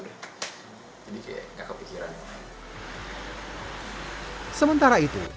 kita bisa mencari peningkatan dari jepang